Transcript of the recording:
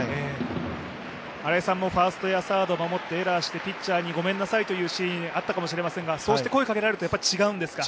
新井さんもファーストやサードを守ってエラーして、ピッチャーにごめんなさいというシーン、あったと思うんですが、そうして声をかけられると違うんですか？